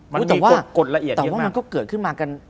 มันมีกฏละเอียดเยอะมากแต่ว่ามันก็เกิดขึ้นมากัน